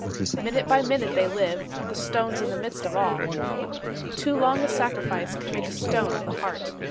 Minute by minute they live: The stone's in the midst of all. Too long a sacrifice Can make a stone of the heart.